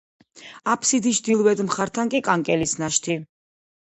აფსიდის ჩრდილოეთ მხართან კი, კანკელის ნაშთი.